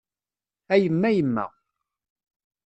A yemma yemma.